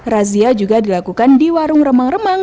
razia juga dilakukan di warung remang remang